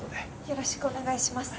よろしくお願いします。